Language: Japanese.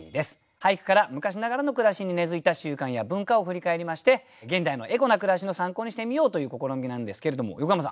俳句から昔ながらの暮らしに根づいた習慣や文化を振り返りまして現代のエコな暮らしの参考にしてみようという試みなんですけれども横山さん